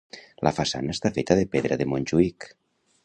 La façana està feta de pedra de Montjuïc.